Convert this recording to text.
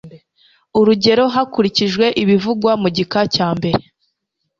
urugero hakurikijwe ibivugwa mu gika cya mbere